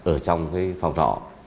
ở trong phòng trọ